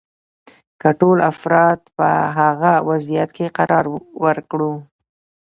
که ټول افراد په هغه وضعیت کې قرار ورکړو.